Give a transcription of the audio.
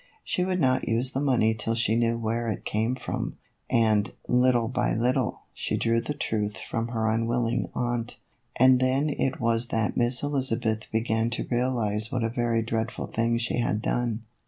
She would not use the money till she knew where it came from, and, little by little, she drew the truth from her unwilling aunt. And then it was that Miss Elizabeth began to realize what a very dread ful thing she had done.